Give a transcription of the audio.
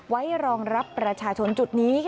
ไว้รองรับประชาชนจุดนี้